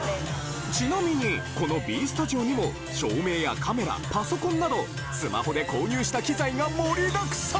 ちなみにこのＢスタジオにも照明やカメラパソコンなどが盛りだくさん！